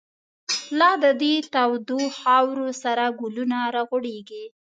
لا د دی تودو خاورو، سره گلونه را غوړیږی